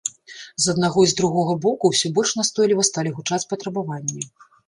З аднаго і з другога боку ўсё больш настойліва сталі гучаць патрабаванні.